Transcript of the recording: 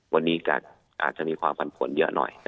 วันนี้อาจจะมีความผันผลเยอะหน่อย